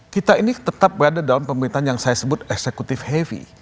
kita ini tetap berada dalam pemerintahan yang saya sebut executive heavy